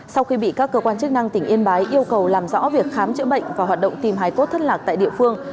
sau khi bị các cơ quan chức năng tỉnh yên bái yêu cầu làm rõ việc khám chữa bệnh và hoạt động tìm hải cốt thất lạc tại địa phương